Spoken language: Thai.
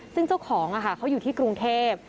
ซึ่งเจ้าของเขาอยู่ที่กรุงเทพ